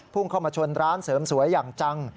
พุ่งเข้ามาชนร้านเสริมสวยอย่างจัง